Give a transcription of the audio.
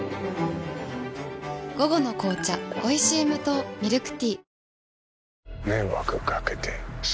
午後の紅茶おいしい無糖ミルクティー